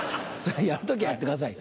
やる時はやってください